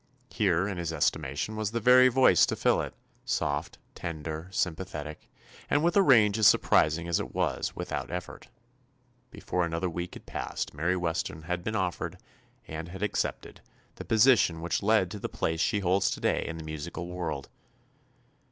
Here, in his estimation, was the very voice to fill it — soft, tender, sympa thetic, and with a range as surprising as it was without effort. Before an other week had passed Mary Weston had been offered, and had accepted, the position which led to the place she holds to day in the musical world.